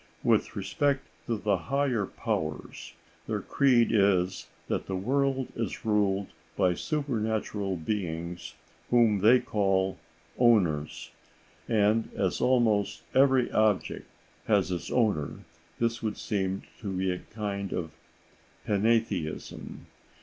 With respect to the higher powers, their creed is that the world is ruled by supernatural beings whom they call "owners;" and as almost every object has its owner, this would seem to be a kind of Pantheism.